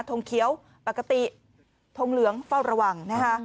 ทงเขียวปกติทงเหลืองเฝ้าระวังนะคะ